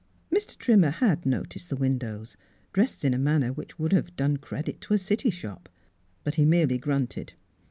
Mr. Trimmer had noticed the windows, dressed in a manner which would have done credit to a city shop. But he merely grunted.